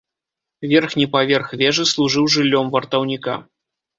Верхні паверх вежы служыў жыллём вартаўніка.